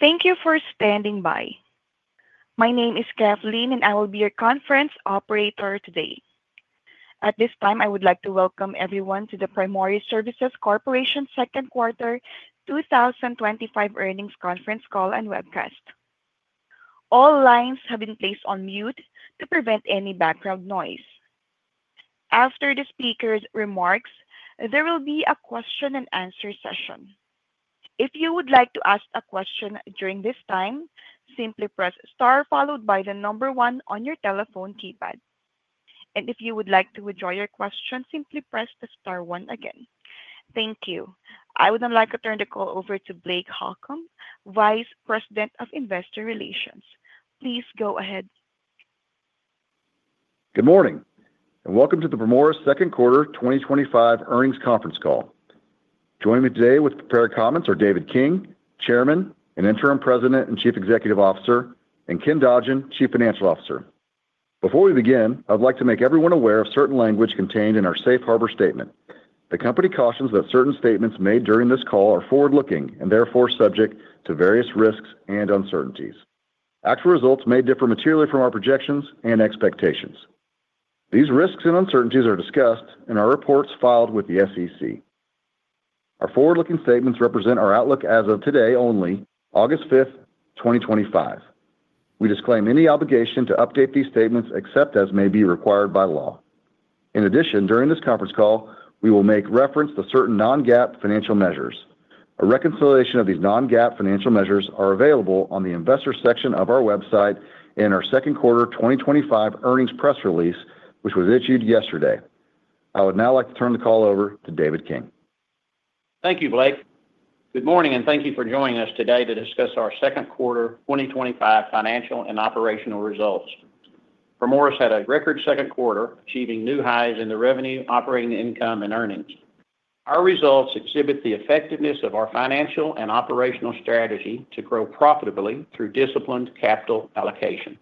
Thank you for standing by. My name is Kathleen, and I will be your conference operator today. At this time, I would like to welcome everyone to the Primoris Services Corporation's Second Quarter 2025 Earnings Conference Call and Webcast. All lines have been placed on mute to prevent any background noise. After the speaker's remarks, there will be a question and answer session. If you would like to ask a question during this time, simply press star followed by the number one on your telephone keypad. If you would like to withdraw your question, simply press the star one again. Thank you. I would now like to turn the call over to Blake Holcomb, Vice President of Investor Relations. Please go ahead. Good morning and welcome to the Primoris Services Corporation Second Quarter 2025 Earnings Conference Call. Joining me today with prepared comments are David King, Chairman and Interim President and Chief Executive Officer, and Ken Dodgen, Chief Financial Officer. Before we begin, I would like to make everyone aware of certain language contained in our Safe Harbor statement. The company cautions that certain statements made during this call are forward-looking and therefore subject to various risks and uncertainties. Actual results may differ materially from our projections and expectations. These risks and uncertainties are discussed in our reports filed with the SEC. Our forward-looking statements represent our outlook as of today only, August 5, 2025. We disclaim any obligation to update these statements except as may be required by law. In addition, during this conference call, we will make reference to certain non-GAAP financial measures. A reconciliation of these non-GAAP financial measures is available on the Investor section of our website and our second quarter 2025 earnings press release, which was issued yesterday. I would now like to turn the call over to David King. Thank you, Blake. Good morning and thank you for joining us today to discuss our Second Quarter 2025 Financial and Operational Results. Primoris had a record second quarter, achieving new highs in the revenue, operating income, and earnings. Our results exhibit the effectiveness of our financial and operational strategy to grow profitably through disciplined capital allocation.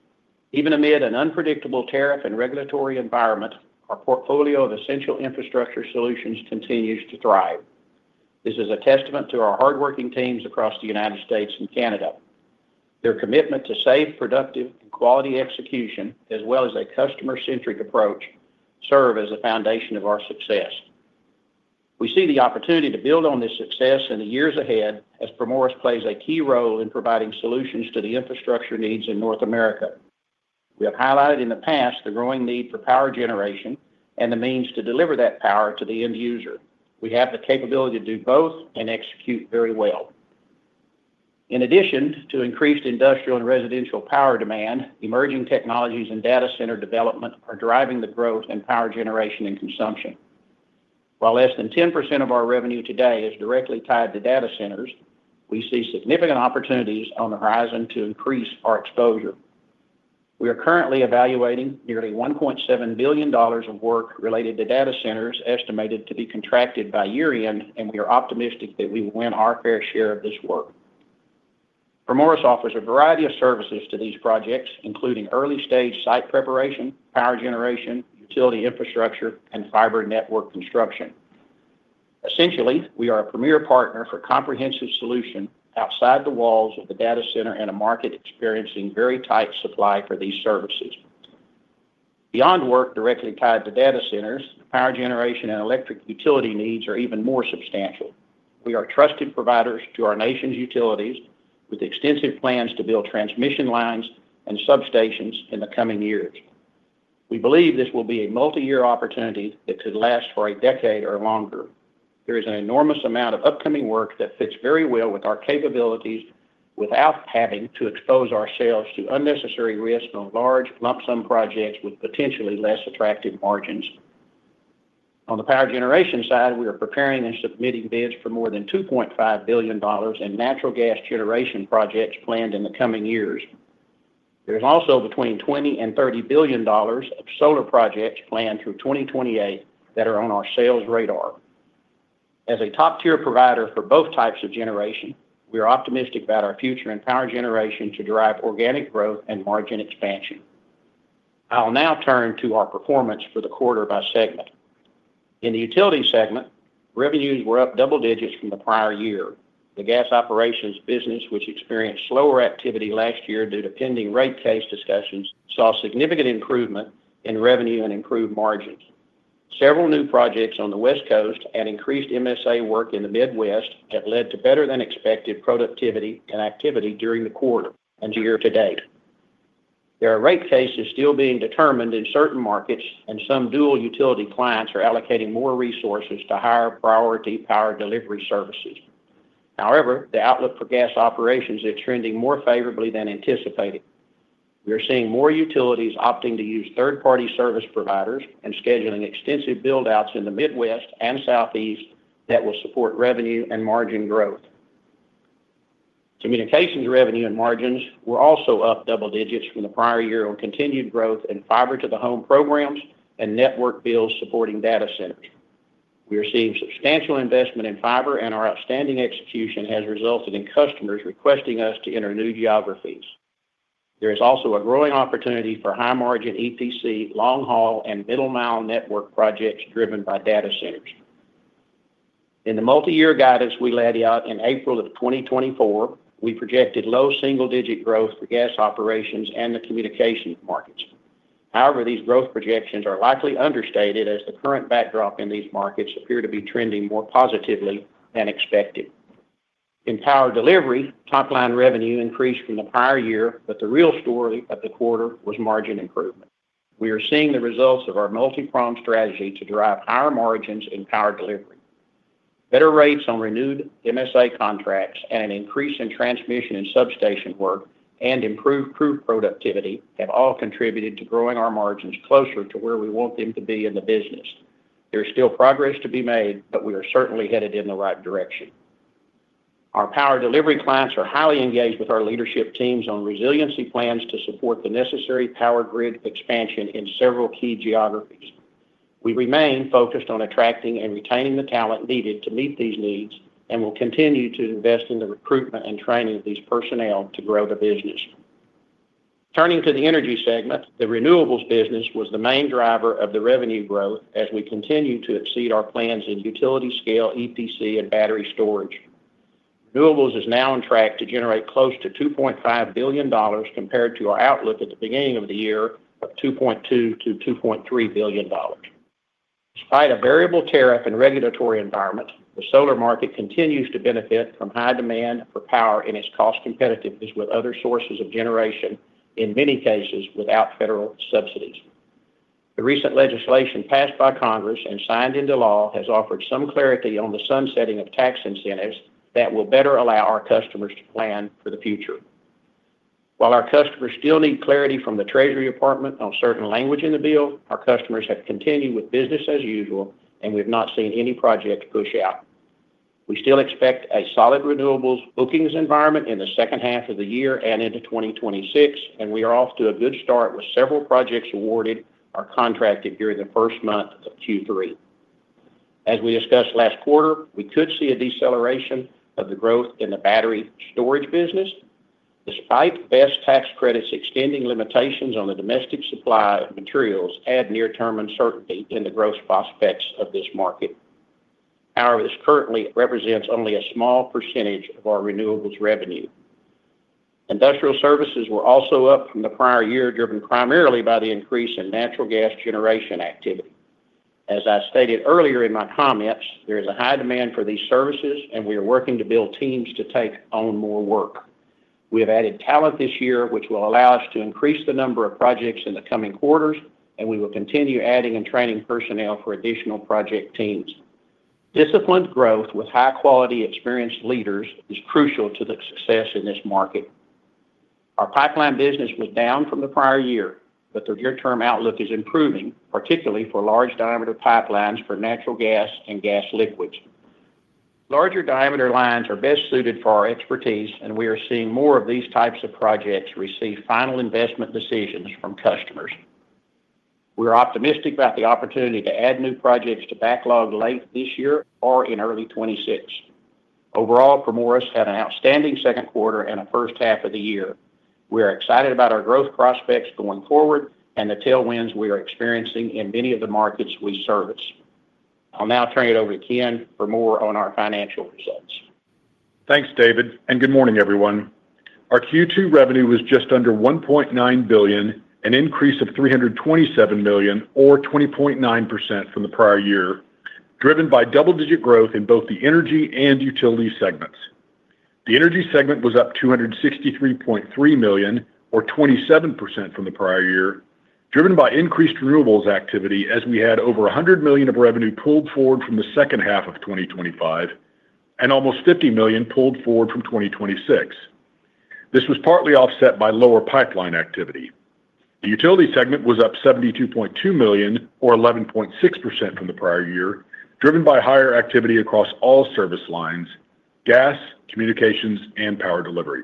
Even amid an unpredictable tariff and regulatory environment, our portfolio of essential infrastructure solutions continues to thrive. This is a testament to our hardworking teams across the United States and Canada. Their commitment to safe, productive, and quality execution, as well as a customer-centric approach, serve as the foundation of our success. We see the opportunity to build on this success in the years ahead as Primoris plays a key role in providing solutions to the infrastructure needs in North America. We have highlighted in the past the growing need for power generation and the means to deliver that power to the end user. We have the capability to do both and execute very well. In addition to increased industrial and residential power demand, emerging technologies and data center development are driving the growth in power generation and consumption. While less than 10% of our revenue today is directly tied to data centers, we see significant opportunities on the horizon to increase our exposure. We are currently evaluating nearly $1.7 billion of work related to data centers estimated to be contracted by year-end, and we are optimistic that we will win our fair share of this work. Primoris offers a variety of services to these projects, including early-stage site preparation, power generation, utility infrastructure, and fiber network construction. Essentially, we are a premier partner for comprehensive solutions outside the walls of the data center in a market experiencing very tight supply for these services. Beyond work directly tied to data centers, power generation and electric utility needs are even more substantial. We are trusted providers to our nation's utilities, with extensive plans to build transmission lines and substations in the coming years. We believe this will be a multi-year opportunity that could last for a decade or longer. There is an enormous amount of upcoming work that fits very well with our capabilities without having to expose ourselves to unnecessary risks on large lump sum projects with potentially less attractive margins. On the power generation side, we are preparing and submitting bids for more than $2.5 billion in natural gas generation projects planned in the coming years. There's also between $20 billion and $30 billion of solar projects planned through 2028 that are on our sales radar. As a top-tier provider for both types of generation, we are optimistic about our future in power generation to drive organic growth and margin expansion. I'll now turn to our performance for the quarter by segment. In the utility segment, revenues were up double digits from the prior year. The gas operations business, which experienced slower activity last year due to pending rate case discussions, saw significant improvement in revenue and improved margins. Several new projects on the West Coast and increased MSA work in the Midwest have led to better-than-expected productivity and activity during the quarter and year to date. There are rate cases still being determined in certain markets, and some dual utility clients are allocating more resources to higher priority power delivery services. However, the outlook for gas operations is trending more favorably than anticipated. We are seeing more utilities opting to use third-party service providers and scheduling extensive build-outs in the Midwest and Southeast that will support revenue and margin growth. Communications revenue and margins were also up double digits from the prior year on continued growth in fiber-to-the-home programs and network builds supporting data centers. We are seeing substantial investment in fiber, and our outstanding execution has resulted in customers requesting us to enter new geographies. There is also a growing opportunity for high-margin EPC, long-haul, and middle-mile network projects driven by data centers. In the multi-year guidance we laid out in April of 2024, we projected low single-digit growth for gas operations and the communications markets. However, these growth projections are likely understated as the current backdrop in these markets appears to be trending more positively than expected. In power delivery, top-line revenue increased from the prior year, but the real story of the quarter was margin improvement. We are seeing the results of our multi-prong strategy to drive higher margins in power delivery. Better rates on renewed MSA contracts and an increase in transmission and substation work and improved productivity have all contributed to growing our margins closer to where we want them to be in the business. There is still progress to be made, but we are certainly headed in the right direction. Our power delivery clients are highly engaged with our leadership teams on resiliency plans to support the necessary power grid expansion in several key geographies. We remain focused on attracting and retaining the talent needed to meet these needs and will continue to invest in the recruitment and training of these personnel to grow the business. Turning to the energy segment, the renewables business was the main driver of the revenue growth as we continue to exceed our plans in utility-scale EPC and battery storage. Renewables is now on track to generate close to $2.5 billion compared to our outlook at the beginning of the year of $2.2 billion-$2.3 billion. Despite a variable tariff and regulatory environment, the solar market continues to benefit from high demand for power in its cost competitiveness with other sources of generation, in many cases without federal subsidies. The recent legislation passed by Congress and signed into law has offered some clarity on the sunsetting of tax incentives that will better allow our customers to plan for the future. While our customers still need clarity from the Treasury Department on certain language in the bill, our customers have continued with business as usual, and we have not seen any projects push out. We still expect a solid renewables bookings environment in the second half of the year and into 2026, and we are off to a good start with several projects awarded or contracted during the first month of Q3. As we discussed last quarter, we could see a deceleration of the growth in the battery storage business. Despite best tax credits, extending limitations on the domestic supply of materials add near-term uncertainty in the growth prospects of this market. However, this currently represents only a small percentage of our renewables revenue. Industrial services were also up from the prior year, driven primarily by the increase in natural gas generation activity. As I stated earlier in my comments, there is a high demand for these services, and we are working to build teams to take on more work. We have added talent this year, which will allow us to increase the number of projects in the coming quarters, and we will continue adding and training personnel for additional project teams. Disciplined growth with high-quality, experienced leaders is crucial to the success in this market. Our pipeline business was down from the prior year, but the near-term outlook is improving, particularly for large diameter pipelines for natural gas and gas liquids. Larger diameter lines are best suited for our expertise, and we are seeing more of these types of projects receive final investment decisions from customers. We are optimistic about the opportunity to add new projects to backlog late this year or in early 2026. Overall, Primoris had an outstanding second quarter and the first half of the year. We are excited about our growth prospects going forward and the tailwinds we are experiencing in many of the markets we service. I'll now turn it over to Ken for more on our financial results. Thanks, David, and good morning, everyone. Our Q2 revenue was just under $1.9 billion, an increase of $327 million or 20.9% from the prior year, driven by double-digit growth in both the energy and utility segments. The energy segment was up $263.3 million or 27% from the prior year, driven by increased renewables activity as we had over $100 million of revenue pulled forward from the second half of 2025 and almost $50 million pulled forward from 2026. This was partly offset by lower pipeline activity. The utility segment was up $72.2 million or 11.6% from the prior year, driven by higher activity across all service lines: gas, communications, and power delivery.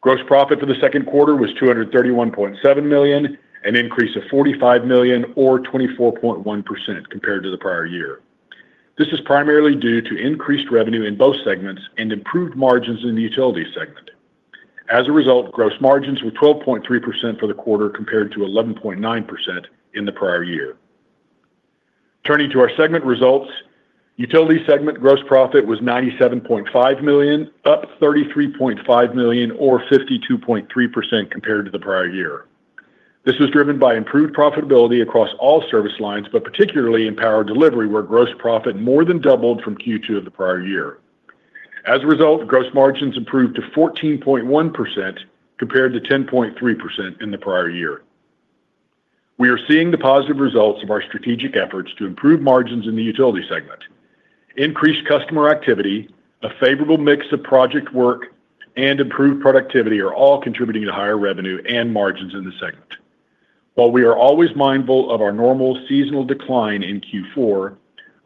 Gross profit for the second quarter was $231.7 million, an increase of $45 million or 24.1% compared to the prior year. This is primarily due to increased revenue in both segments and improved margins in the utility segment. As a result, gross margins were 12.3% for the quarter compared to 11.9% in the prior year. Turning to our segment results, the utility segment gross profit was $97.5 million, up $33.5 million or 52.3% compared to the prior year. This was driven by improved profitability across all service lines, but particularly in power delivery, where gross profit more than doubled from Q2 of the prior year. As a result, gross margins improved to 14.1% compared to 10.3% in the prior year. We are seeing the positive results of our strategic efforts to improve margins in the utility segment. Increased customer activity, a favorable mix of project work, and improved productivity are all contributing to higher revenue and margins in the segment. While we are always mindful of our normal seasonal decline in Q4,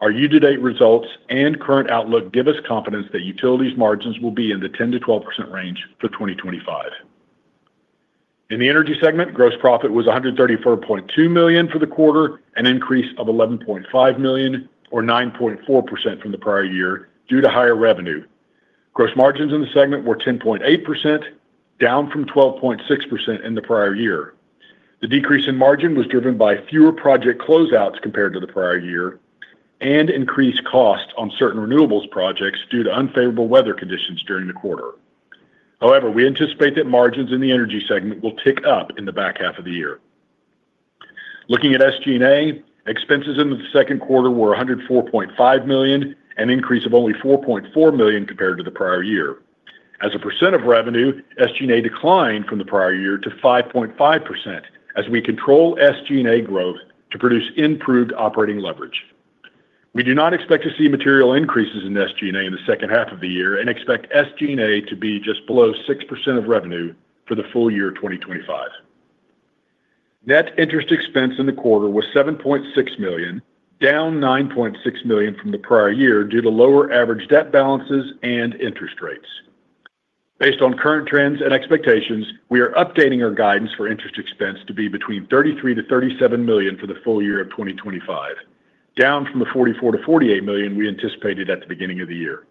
our year-to-date results and current outlook give us confidence that utilities' margins will be in the 10%-12% range for 2025. In the energy segment, gross profit was $134.2 million for the quarter, an increase of $11.5 million or 9.4% from the prior year due to higher revenue. Gross margins in the segment were 10.8%, down from 12.6% in the prior year. The decrease in margin was driven by fewer project closeouts compared to the prior year and increased costs on certain renewables projects due to unfavorable weather conditions during the quarter. However, we anticipate that margins in the energy segment will tick up in the back half of the year. Looking at SG&A, expenses in the second quarter were $104.5 million, an increase of only $4.4 million compared to the prior year. As a percent of revenue, SG&A declined from the prior year to 5.5% as we control SG&A growth to produce improved operating leverage. We do not expect to see material increases in SG&A in the second half of the year and expect SG&A to be just below 6% of revenue for the full year 2025. Net interest expense in the quarter was $7.6 million, down $9.6 million from the prior year due to lower average debt balances and interest rates. Based on current trends and expectations, we are updating our guidance for interest expense to be between $33 million-$37 million for the full year of 2025, down from the $44 million-$48 million we anticipated at the beginning of the year.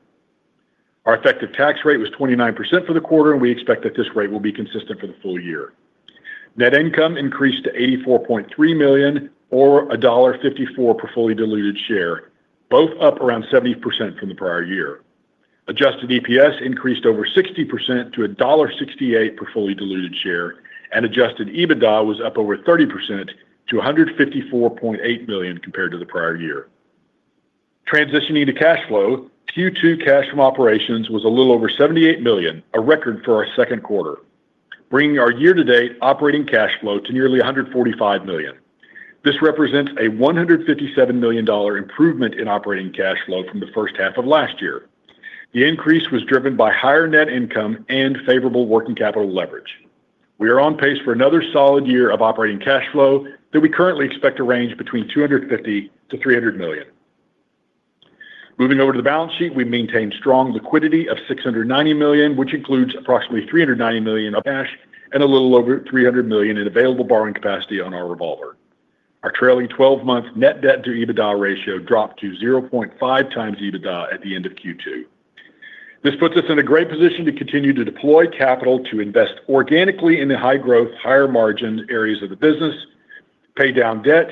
Our effective tax rate was 29% for the quarter, and we expect that this rate will be consistent for the full year. Net income increased to $84.3 million or $1.54 per fully diluted share, both up around 70% from the prior year. Adjusted EPS increased over 60% to $1.68 per fully diluted share, and adjusted EBITDA was up over 30% to $154.8 million compared to the prior year. Transitioning to cash flow, Q2 cash from operations was a little over $78 million, a record for our second quarter, bringing our year-to-date operating cash flow to nearly $145 million. This represents a $157 million improvement in operating cash flow from the first half of last year. The increase was driven by higher net income and favorable working capital leverage. We are on pace for another solid year of operating cash flow that we currently expect to range between $250 million-$300 million. Moving over to the balance sheet, we maintain strong liquidity of $690 million, which includes approximately $390 million of cash and a little over $300 million in available borrowing capacity on our revolver. Our trailing 12-month net debt-to-EBITDA ratio dropped to 0.5x EBITDA at the end of Q2. This puts us in a great position to continue to deploy capital to invest organically in the high growth, higher margins areas of the business, pay down debt,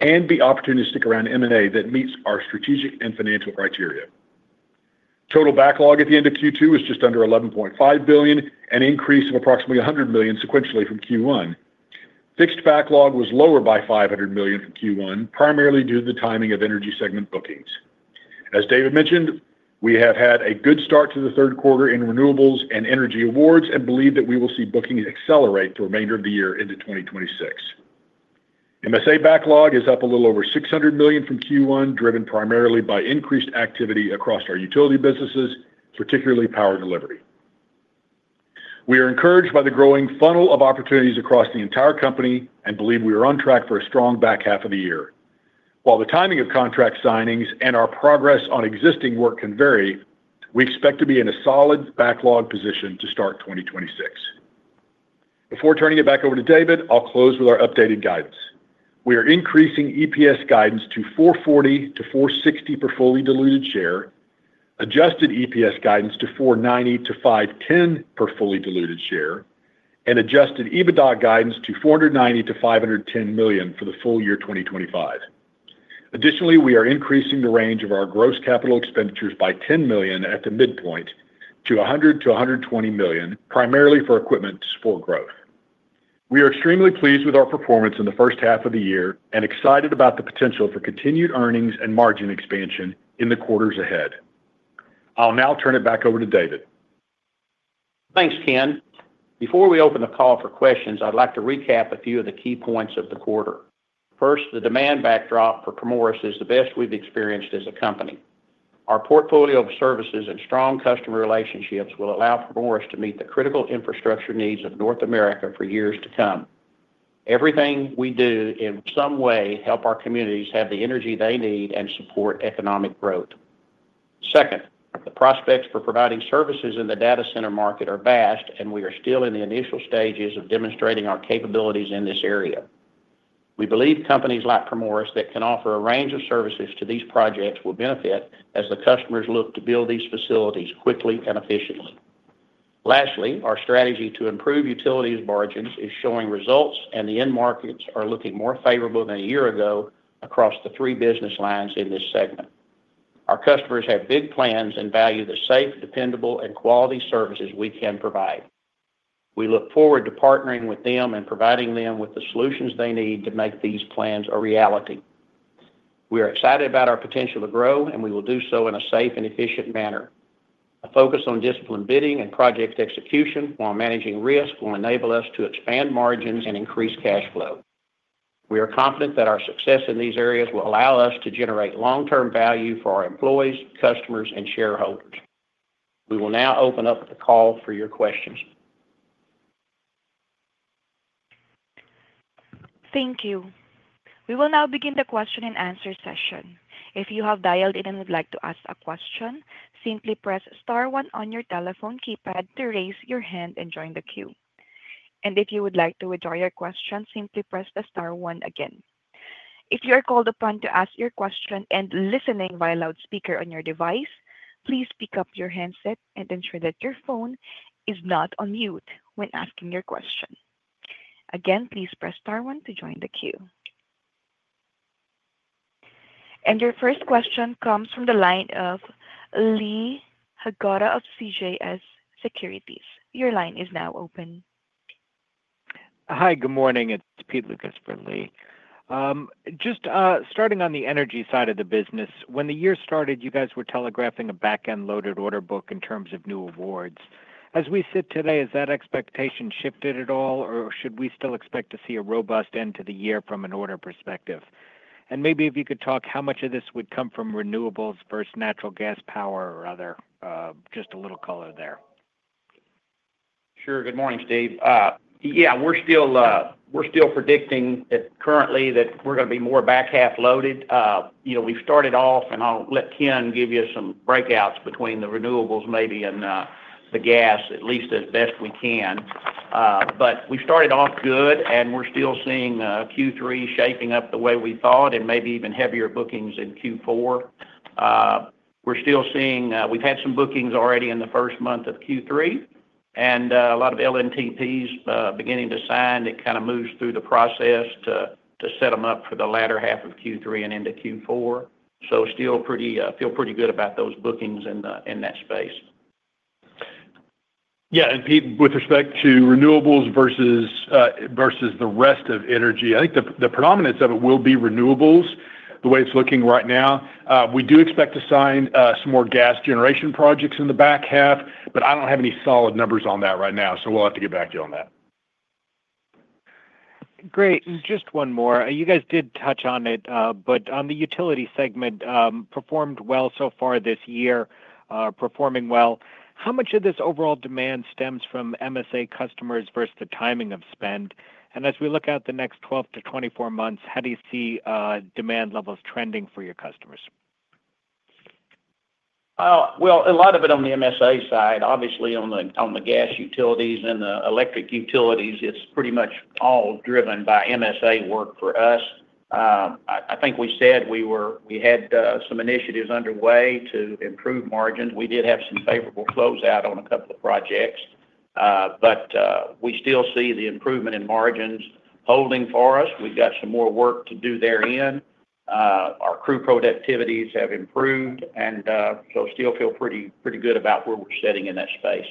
and be opportunistic around M&A that meets our strategic and financial criteria. Total backlog at the end of Q2 was just under $11.5 billion, an increase of approximately $100 million sequentially from Q1. Fixed backlog was lower by $500 million from Q1, primarily due to the timing of energy segment bookings. As David mentioned, we have had a good start to the third quarter in renewables and energy awards and believe that we will see bookings accelerate the remainder of the year into 2026. MSA backlog is up a little over $600 million from Q1, driven primarily by increased activity across our utility businesses, particularly power delivery. We are encouraged by the growing funnel of opportunities across the entire company and believe we are on track for a strong back half of the year. While the timing of contract signings and our progress on existing work can vary, we expect to be in a solid backlog position to start 2026. Before turning it back over to David, I'll close with our updated guidance. We are increasing EPS guidance to $4.40 to $4.60 per fully diluted share, adjusted EPS guidance to $4.90 to $5.10 per fully diluted share, and adjusted EBITDA guidance to $490 million to $510 million for the full year 2025. Additionally, we are increasing the range of our gross capital expenditures by $10 million at the midpoint to $100 million-$120 million, primarily for equipment support growth. We are extremely pleased with our performance in the first half of the year and excited about the potential for continued earnings and margin expansion in the quarters ahead. I'll now turn it back over to David. Thanks, Ken. Before we open the call for questions, I'd like to recap a few of the key points of the quarter. First, the demand backdrop for Primoris is the best we've experienced as a company. Our portfolio of services and strong customer relationships will allow Primoris to meet the critical infrastructure needs of North America for years to come. Everything we do in some way helps our communities have the energy they need and support economic growth. Second, the prospects for providing services in the data center market are vast, and we are still in the initial stages of demonstrating our capabilities in this area. We believe companies like Primoris that can offer a range of services to these projects will benefit as the customers look to build these facilities quickly and efficiently. Lastly, our strategy to improve utilities margins is showing results, and the end markets are looking more favorable than a year ago across the three business lines in this segment. Our customers have big plans and value the safe, dependable, and quality services we can provide. We look forward to partnering with them and providing them with the solutions they need to make these plans a reality. We are excited about our potential to grow, and we will do so in a safe and efficient manner. A focus on discipline bidding and project execution while managing risk will enable us to expand margins and increase cash flow. We are confident that our success in these areas will allow us to generate long-term value for our employees, customers, and shareholders. We will now open up the call for your questions. Thank you. We will now begin the question-and-answer session. If you have dialed in and would like to ask a question, simply press star one on your telephone keypad to raise your hand and join the queue. If you would like to withdraw your question, simply press the star one again. If you are called upon to ask your question and listening via loudspeaker on your device, please pick up your handset and ensure that your phone is not on mute when asking your question. Again, please press star one to join the queue. Your first question comes from the line of Lee Jagoda of CJS Securities. Your line is now open. Hi, good morning. It's Peter Lucas for Lee. Just starting on the energy side of the business, when the year started, you guys were telegraphing a back-end loaded order book in terms of new awards. As we sit today, has that expectation shifted at all, or should we still expect to see a robust end to the year from an order perspective? Maybe if you could talk how much of this would come from renewables versus natural gas power or other, just a little color there. Sure. Good morning, Steve. Yeah, we're still predicting that currently that we're going to be more back-half loaded. We've started off, and I'll let Ken give you some breakouts between the renewables maybe and the gas, at least as best we can. We've started off good, and we're still seeing Q3 shaping up the way we thought and maybe even heavier bookings in Q4. We're still seeing, we've had some bookings already in the first month of Q3 and a lot of LNTPs beginning to sign that kind of moves through the process to set them up for the latter half of Q3 and into Q4. Still pretty, feel pretty good about those bookings in that space. Yeah, and Pete, with respect to renewables versus the rest of energy, I think the predominance of it will be renewables the way it's looking right now. We do expect to sign some more gas generation projects in the back half, but I don't have any solid numbers on that right now, so we'll have to get back to you on that. Great. Just one more. You guys did touch on it, but on the utility segment, performed well so far this year, performing well. How much of this overall demand stems from MSA customers versus the timing of spend? As we look out the next 12 to 24 months, how do you see demand levels trending for your customers? A lot of it on the MSA side, obviously on the gas utilities and the electric utilities, it's pretty much all driven by MSA work for us. I think we said we had some initiatives underway to improve margins. We did have some favorable closeout on a couple of projects, but we still see the improvement in margins holding for us. We've got some more work to do therein. Our crew productivities have improved, and so still feel pretty good about where we're sitting in that space.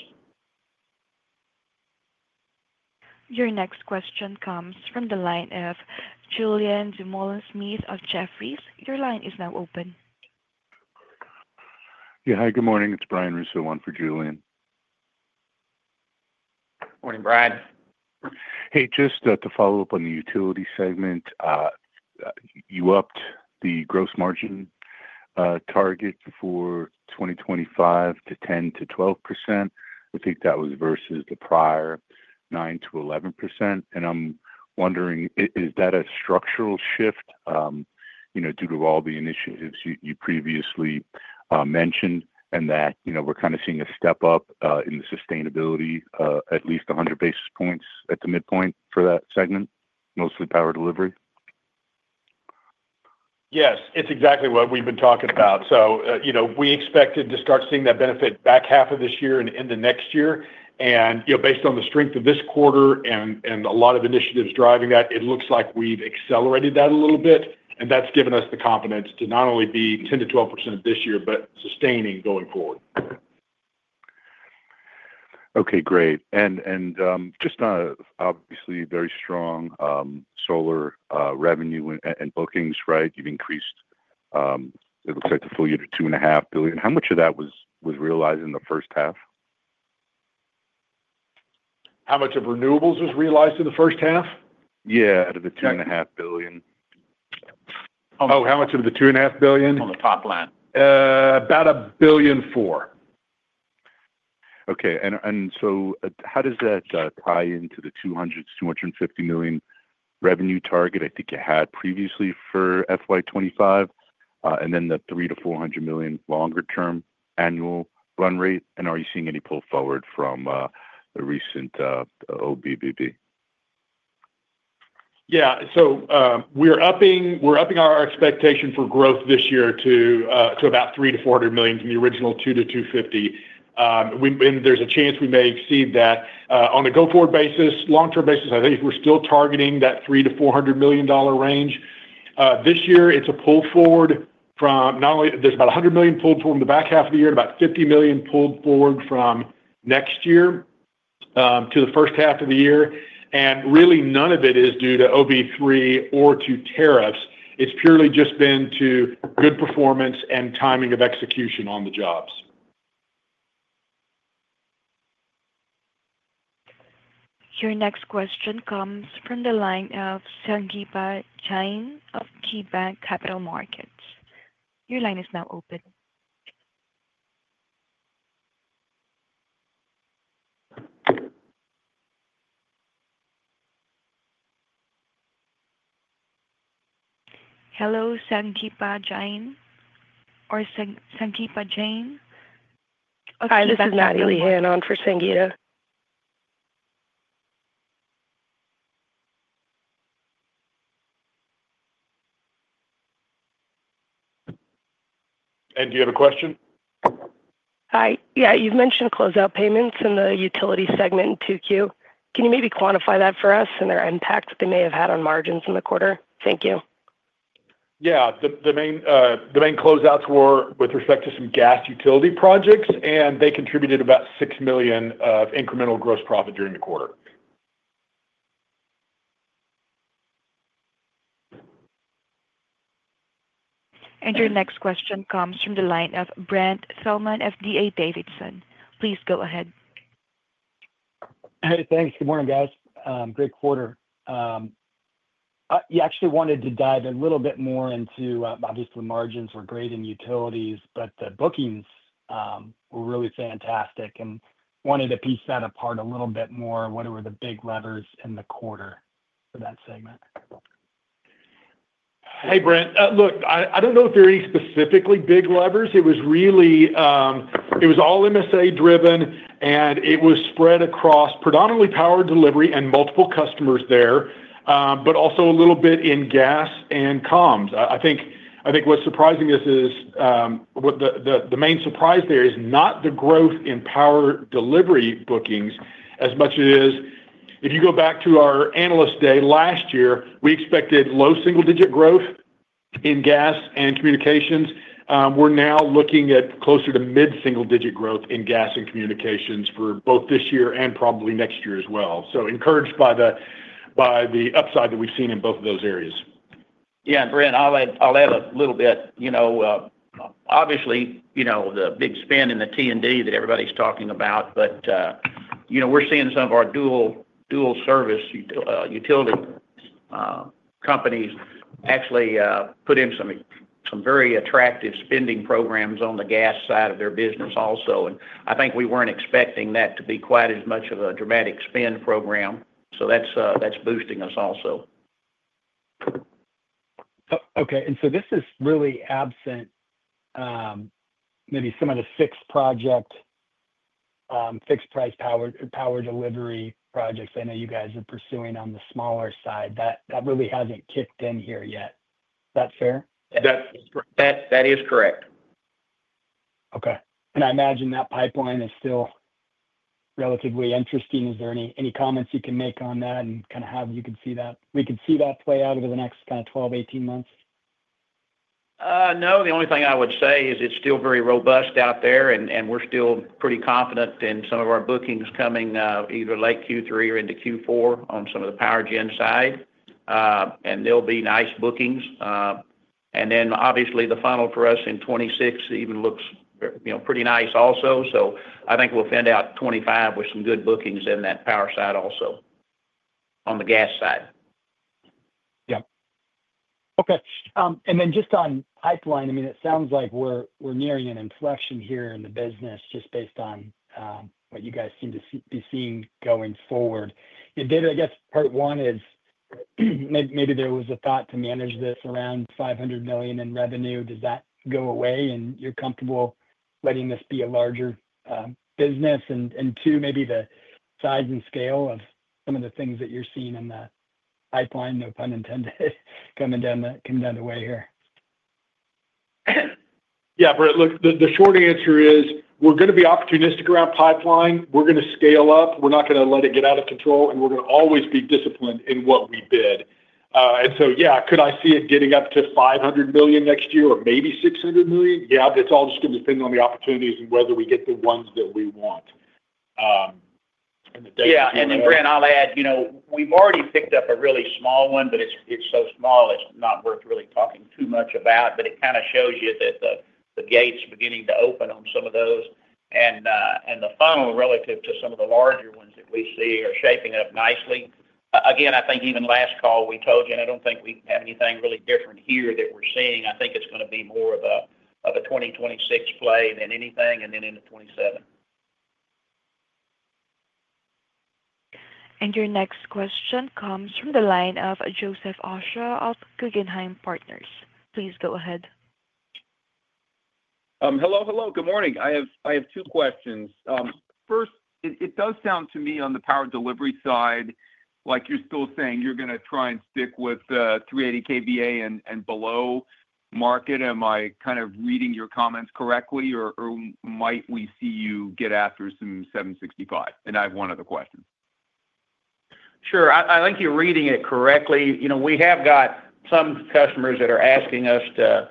Your next question comes from the line of Julien Dumoulin Smith of Jefferies. Your line is now open. Yeah, hi, good morning. It's Brian Russo, one for Julien. Morning, Brian. Hey, just to follow up on the utility segment, you upped the gross margin target for 2025 to 10%-12%. I think that was versus the prior 9%-11%. I'm wondering, is that a structural shift due to all the initiatives you previously mentioned and that we're kind of seeing a step up in the sustainability, at least 100 basis points at the midpoint for that segment, mostly power delivery? Yes, it's exactly what we've been talking about. We expected to start seeing that benefit back half of this year and into next year. Based on the strength of this quarter and a lot of initiatives driving that, it looks like we've accelerated that a little bit. That's given us the confidence to not only be 10%-12% of this year, but sustaining going forward. Okay, great. Just on a obviously very strong solar revenue and bookings, right? You've increased, it looks like, the full year to $2.5 billion. How much of that was realized in the first half? How much of renewables was realized in the first half? Yeah, out of the $2.5 billion. Oh, how much of the $2.5 billion? On the top line. About $1.4 billion. Okay. How does that tie into the $200 million-$250 million revenue target I think you had previously for FY 2025 and then the $300 million-$400 million longer-term annual run rate? Are you seeing any pull forward from the recent OBBB? We're upping our expectation for growth this year to about $300 million-$400 million from the original $200 million-$250 million, and there's a chance we may exceed that. On a go-forward, long-term basis, I think we're still targeting that $300 million-$400 million range. This year, it's a pull forward from not only there's about $100 million pulled forward in the back half of the year and about $50 million pulled forward from next year to the first half of the year. Really, none of it is due to OB3 or to tariffs. It's purely just been due to good performance and timing of execution on the jobs. Your next question comes from the line of Sungipat of KeyBanc Capital Markets. Your line is now open. Hello, Sungipat of KeyBanc Capital Markets. Hi, this is Natalie Han on for Sungipat. Do you have a question? Hi. Yeah, you've mentioned closeout payments in the utility segment in 2Q. Can you maybe quantify that for us and their impact that they may have had on margins in the quarter? Thank you. Yeah. The main closeouts were with respect to some gas utility projects, and they contributed about $6 million of incremental gross profit during the quarter. Your next question comes from the line of Brent Thielman of DA Davidson. Please go ahead. Hey, thanks. Good morning, guys. Greg Porter. I actually wanted to dive in a little bit more into, obviously, margins were great in utilities, but the bookings were really fantastic and wanted to piece that apart a little bit more. What were the big levers in the quarter for that segment? Hey, Brent. Look, I don't know if there are any specifically big levers. It was really, it was all MSA driven, and it was spread across predominantly power delivery and multiple customers there, but also a little bit in gas and communications. I think what's surprising is what the main surprise there is not the growth in power delivery bookings as much as if you go back to our analyst day last year, we expected low single-digit growth in gas and communications. We're now looking at closer to mid-single-digit growth in gas and communications for both this year and probably next year as well. Encouraged by the upside that we've seen in both of those areas. Yeah, and Brent, I'll add a little bit. Obviously, you know the big spend in the T&D that everybody's talking about, but we're seeing some of our dual service utility companies actually put in some very attractive spending programs on the gas side of their business also. I think we weren't expecting that to be quite as much of a dramatic spend program. That's boosting us also. Okay. This is really absent maybe some of the fixed-price power delivery projects I know you guys are pursuing on the smaller side. That really hasn't kicked in here yet. Is that fair? That is correct. Okay. I imagine that pipeline is still relatively interesting. Is there any comments you can make on that and kind of how you can see that we can see that play out over the next 12, 18 months? No. The only thing I would say is it's still very robust out there, and we're still pretty confident in some of our bookings coming either late Q3 or into Q4 on some of the power gen side. There'll be nice bookings. Obviously, the funnel for us in 2026 even looks pretty nice also. I think we'll end out 2025 with some good bookings in that power side also on the gas side. Okay. On pipeline, it sounds like we're nearing an inflection here in the business just based on what you guys seem to be seeing going forward. Part one is maybe there was a thought to manage this around $500 million in revenue. Does that go away and you're comfortable letting this be a larger business? Two, maybe the size and scale of some of the things that you're seeing in that pipeline, no pun intended, coming down the way here. Yeah, Brent, look, the short answer is we're going to be opportunistic around pipeline. We're going to scale up. We're not going to let it get out of control, and we're going to always be disciplined in what we bid. Yeah, could I see it getting up to $500 million next year or maybe $600 million? Yeah, but it's all just going to depend on the opportunities and whether we get the ones that we want. Yeah. Brent, I'll add, we've already picked up a really small one, but it's so small, it's not worth really talking too much about. It kind of shows you that the gates are beginning to open on some of those. The funnel relative to some of the larger ones that we see are shaping up nicely. I think even last call we told you, and I don't think we have anything really different here that we're seeing. I think it's going to be more of a 2026 play than anything and then into 2027. Your next question comes from the line of Joseph Ausher of Guggenheim Partners. Please go ahead. Hello, hello. Good morning. I have two questions. First, it does sound to me on the power delivery side, like you're still saying you're going to try and stick with 380 kVA and below market. Am I kind of reading your comments correctly, or might we see you get after some 765? I have one other question. Sure. I think you're reading it correctly. We have got some customers that are asking us to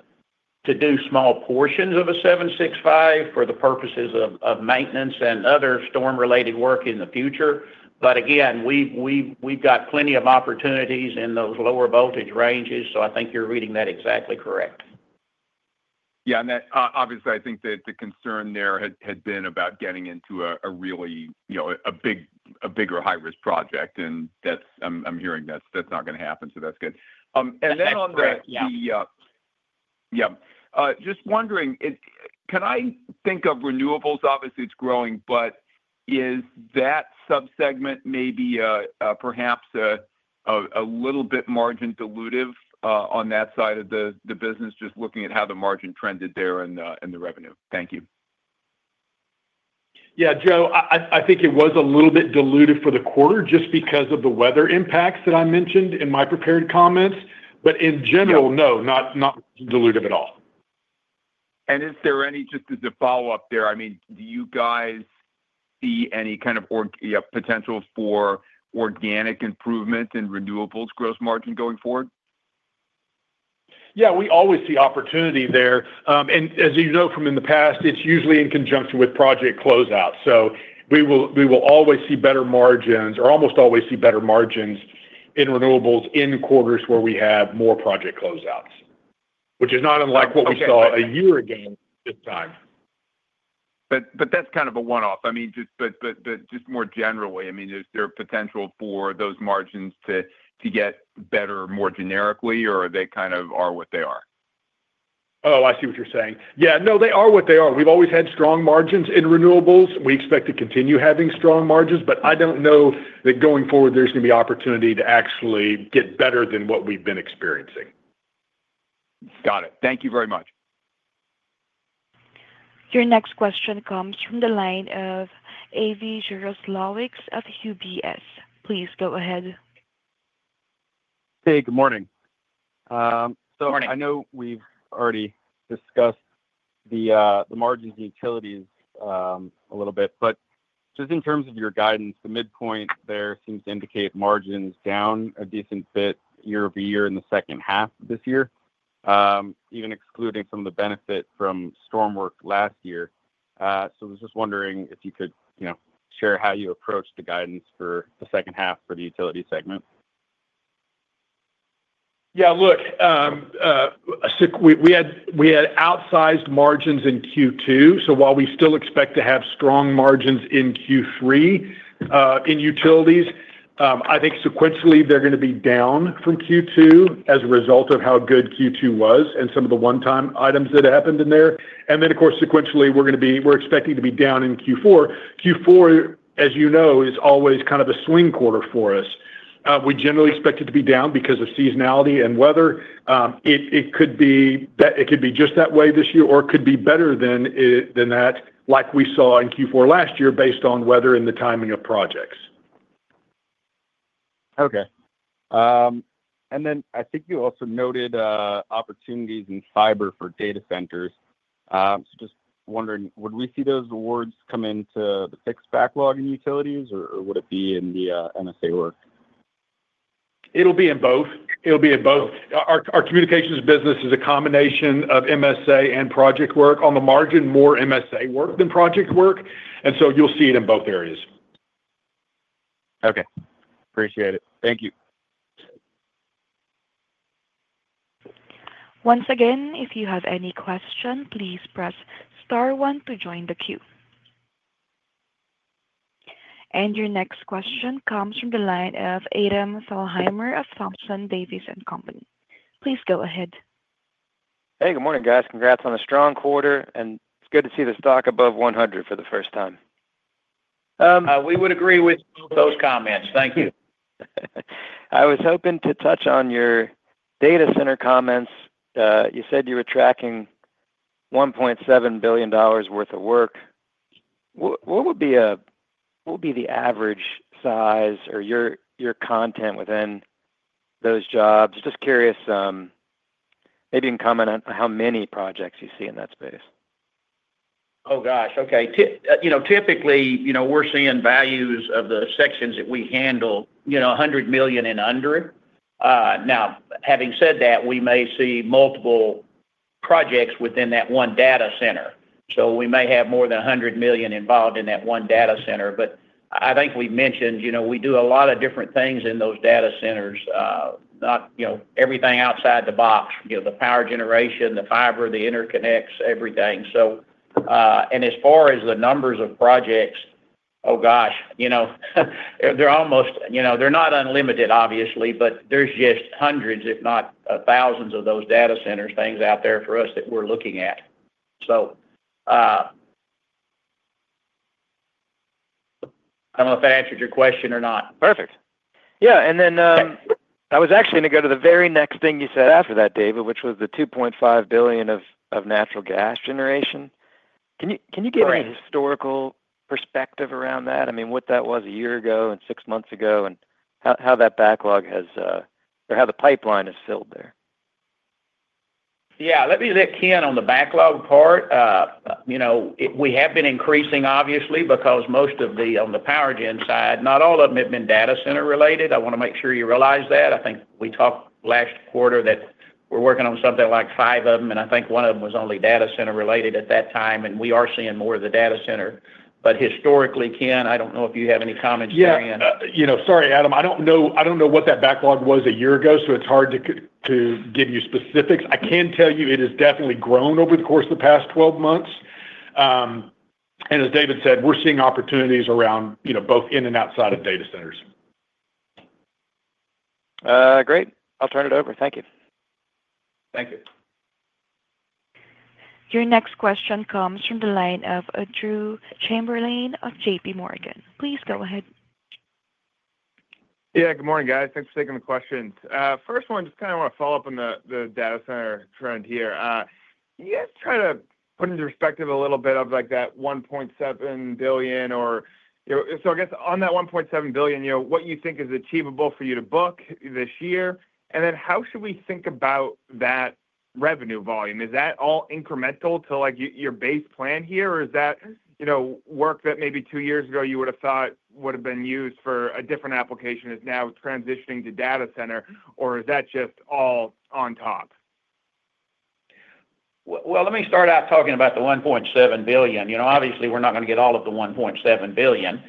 do small portions of a 765 for the purposes of maintenance and other storm-related work in the future. We have got plenty of opportunities in those lower voltage ranges. I think you're reading that exactly correct. Yeah. Obviously, I think that the concern there had been about getting into a really, you know, a bigger high-risk project. That's, I'm hearing, that's not going to happen. That's good. On the, yeah, just wondering, can I think of renewables? Obviously, it's growing, but is that subsegment maybe perhaps a little bit margin-dilutive on that side of the business, just looking at how the margin trended there and the revenue? Thank you. Yeah, Joe, I think it was a little bit dilutive for the quarter just because of the weather impacts that I mentioned in my prepared comments. In general, no, not dilutive at all. Is there any, just as a follow-up there, I mean, do you guys see any kind of potential for organic improvement in renewables gross margin going forward? Yeah, we always see opportunity there. As you know from in the past, it's usually in conjunction with project closeouts. We will always see better margins or almost always see better margins in renewables in quarters where we have more project closeouts, which is not unlike what we saw a year ago this time. That's kind of a one-off. I mean, just more generally, I mean, is there potential for those margins to get better more generically, or are they kind of what they are? Oh, I see what you're saying. Yeah, no, they are what they are. We've always had strong margins in renewables. We expect to continue having strong margins, but I don't know that going forward there's going to be opportunity to actually get better than what we've been experiencing. Got it. Thank you very much. Your next question comes from the line of Avi Jaroslawicz of UBS. Please go ahead. Hey, good morning. I know we've already discussed the margins in utilities a little bit, but just in terms of your guidance, the midpoint there seems to indicate margins down a decent bit year-over-year in the second half of this year, even excluding some of the benefit from storm work last year. I was just wondering if you could share how you approach the guidance for the second half for the utility segment. Yeah, look, we had outsized margins in Q2. While we still expect to have strong margins in Q3 in utilities, I think sequentially they're going to be down from Q2 as a result of how good Q2 was and some of the one-time items that happened in there. Of course, sequentially, we're expecting to be down in Q4. Q4, as you know, is always kind of a swing quarter for us. We generally expect it to be down because of seasonality and weather. It could be just that way this year or it could be better than that, like we saw in Q4 last year based on weather and the timing of projects. Okay. I think you also noted opportunities in fiber for data centers. Just wondering, would we see those awards come into the fixed backlog in utilities, or would it be in the MSA work? It'll be in both. It'll be in both. Our communications business is a combination of MSA and project work. On the margin, more MSA work than project work. You'll see it in both areas. Okay. Appreciate it. Thank you. Once again, if you have any questions, please press star one to join the queue. Your next question comes from the line of Adam Thalhimer of Thompson Davis & Company. Please go ahead. Hey, good morning, guys. Congrats on a strong quarter, and it's good to see the stock above $100 for the first time. We would agree with both those comments. Thank you. I was hoping to touch on your data center comments. You said you were tracking $1.7 billion worth of work. What would be the average size or your content within those jobs? Just curious, maybe you can comment on how many projects you see in that space. Oh, gosh. Okay. Typically, we're seeing values of the sections that we handle, $100 million and under. Now, having said that, we may see multiple projects within that one data center. We may have more than $100 million involved in that one data center. I think we mentioned we do a lot of different things in those data centers, not everything outside the box, the power generation, the fiber, the interconnects, everything. As far as the numbers of projects, oh, gosh, they're almost, they're not unlimited, obviously, but there's just hundreds, if not thousands, of those data centers out there for us that we're looking at. I don't know if I answered your question or not. Perfect. Yeah. I was actually going to go to the very next thing you said after that, David, which was the $2.5 billion of natural gas generation. Can you give a historical perspective around that? I mean, what that was a year ago and six months ago and how that backlog has or how the pipeline is filled there. Yeah, let me let Ken on the backlog part. We have been increasing, obviously, because most of the on the power gen side, not all of them have been data center related. I want to make sure you realize that. I think we talked last quarter that we're working on something like five of them, and I think one of them was only data center related at that time. We are seeing more of the data center. Historically, Ken, I don't know if you have any comments therein. Yeah. Sorry, Adam, I don't know what that backlog was a year ago, so it's hard to give you specifics. I can tell you it has definitely grown over the course of the past 12 months. As David said, we're seeing opportunities around, you know, both in and outside of data centers. Great. I'll turn it over. Thank you. Thank you. Your next question comes from the line of Drew Chamberlain of JPMorgan. Please go ahead. Yeah, good morning, guys. Thanks for taking the question. First one, just kind of want to follow up on the data center trend here. Can you try to put into perspective a little bit of like that $1.7 billion or, you know, so I guess on that $1.7 billion, you know, what you think is achievable for you to book this year? How should we think about that revenue volume? Is that all incremental to like your base plan here, or is that, you know, work that maybe two years ago you would have thought would have been used for a different application is now transitioning to data center, or is that just all on top? Let me start out talking about the $1.7 billion. Obviously, we're not going to get all of the $1.7 billion.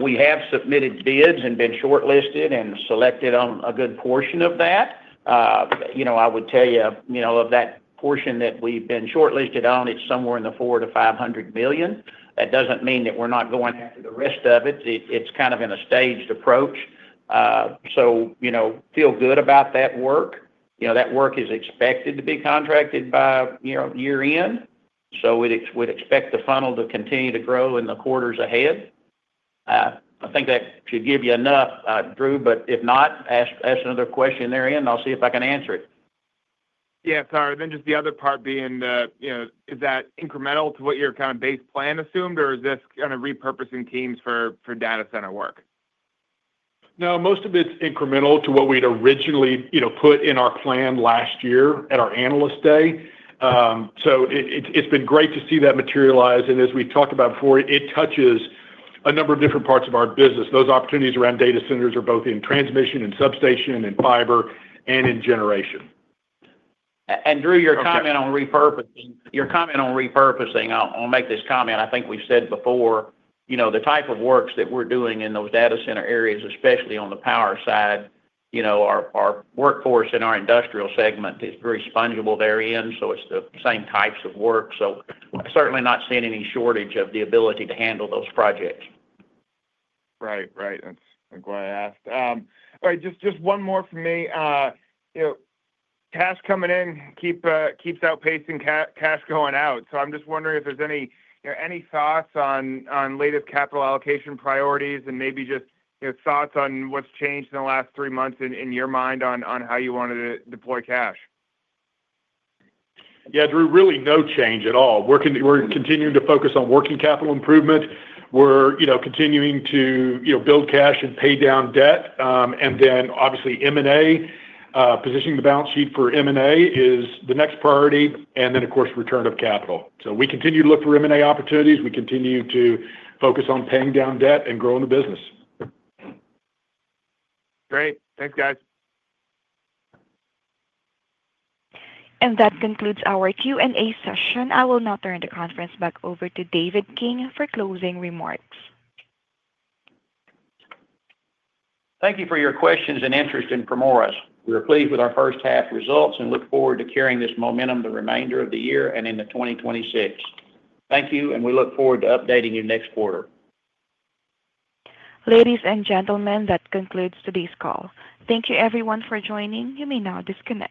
We have submitted bids and been shortlisted and selected on a good portion of that. I would tell you, of that portion that we've been shortlisted on, it's somewhere in the $400 billion-$500 billion. That doesn't mean that we're not going through the rest of it. It's kind of in a staged approach. I feel good about that work. That work is expected to be contracted by year-end. We'd expect the funnel to continue to grow in the quarters ahead. I think that should give you enough, Drew, but if not, ask another question therein, and I'll see if I can answer it. Sorry, just the other part being, you know, is that incremental to what your kind of base plan assumed, or is this kind of repurposing teams for data center work? No, most of it's incremental to what we'd originally put in our plan last year at our analyst day. It's been great to see that materialize. As we've talked about before, it touches a number of different parts of our business. Those opportunities around data centers are both in transmission and substation and fiber and in generation. Drew, your comment on repurposing, I'll make this comment. I think we've said before, you know, the type of works that we're doing in those data center areas, especially on the power side, you know, our workforce in our industrial segment is very spongible therein. It's the same types of work, so we're certainly not seeing any shortage of the ability to handle those projects. Right, right. That's why I asked. All right, just one more from me. You know, cash coming in keeps outpacing cash going out. I'm just wondering if there's any thoughts on latest capital allocation priorities and maybe just thoughts on what's changed in the last three months in your mind on how you wanted to deploy cash. Yeah, Drew, really no change at all. We're continuing to focus on working capital improvement. We're continuing to build cash and pay down debt. Obviously, M&A, positioning the balance sheet for M&A is the next priority. Of course, return of capital. We continue to look for M&A opportunities. We continue to focus on paying down debt and growing the business. Great. Thanks, guys. That concludes our Q&A session. I will now turn the conference back over to David King for closing remarks. Thank you for your questions and interest in Primoris. We are pleased with our first half results and look forward to carrying this momentum the remainder of the year and into 2026. Thank you, and we look forward to updating you next quarter. Ladies and gentlemen, that concludes today's call. Thank you, everyone, for joining. You may now disconnect.